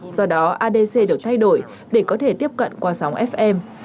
do đó adc được thay đổi để có thể tiếp cận qua sóng fm